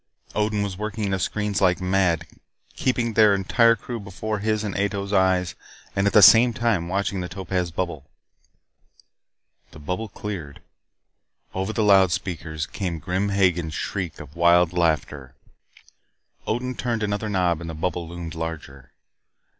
Odin was working the screens like mad. Keeping their entire crew before his and Ato's eyes and at the same time watching the topaz bubble. The bubble cleared. Over the loudspeakers came Grim Hagen's shriek of wild laughter. Odin turned another knob and the bubble loomed larger.